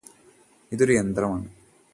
ഇതൊരു യന്ത്രമാണ്